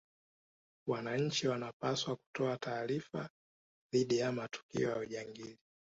Wananchi wanapaswa kutoa taarifa dhidi ya matukio ya ujangili